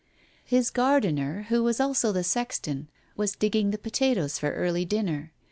His gardener, who was also the sexton, was digging the potatoes for early dinner.